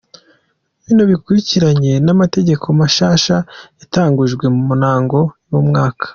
Bino bikurikiranye n'amategeko mashasha yatangujwe mu ntango y'umwaka.